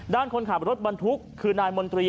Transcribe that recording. ด้านคนขับรถมันทุกข์คือนายมนตรี